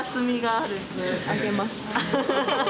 ・あげます。